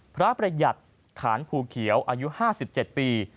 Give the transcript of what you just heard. พระประหยัดขานภูเขียวอายุ๕๗ปี